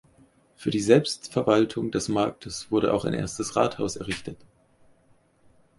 Für die Selbstverwaltung des Marktes wurde auch ein erstes Rathaus errichtet.